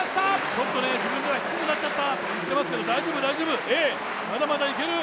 ちょっと自分では低くなっちゃったと言ってますけど大丈夫大丈夫、まだまだいける！